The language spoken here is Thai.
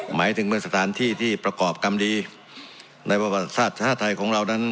หมายถึงเป็นสถานที่ที่ประกอบกรรมดีในประวัติศาสตร์ชาติไทยของเรานั้น